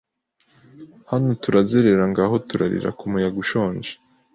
Hano turazerera ngaho turariraKu muyaga ushonje